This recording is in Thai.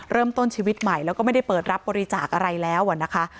เริ่มต้นชีวิตใหม่ไม่ได้เปิดรับบริจาคอะไรนะ